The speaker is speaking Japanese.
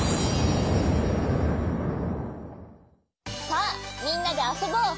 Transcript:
さあみんなであそぼう！